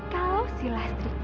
kalau si lastri